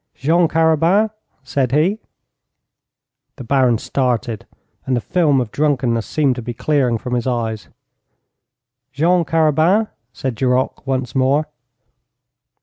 'Jean Carabin,' said he. The Baron started, and the film of drunkenness seemed to be clearing from his eyes. 'Jean Carabin,' said Duroc, once more.